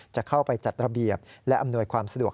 จะเข้าไปจัดระเบียบและอำนวยความสะดวก